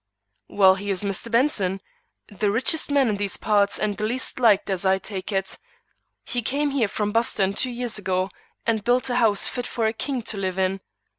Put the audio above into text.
"Well, he is Mr. Benson, the richest man in these parts and the least liked as I take it. He came here from Boston two years ago and built a house fit for a king to live in.